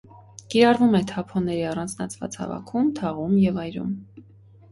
Կիրառվում է թափոնների առանձնացված հավաքում, թաղում և այրում։